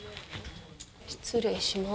失礼します。